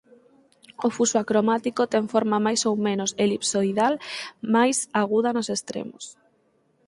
O fuso acromático ten forma máis ou menos elipsoidal máis aguda nos extremos.